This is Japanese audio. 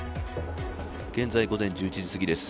現在、午前１１時すぎです。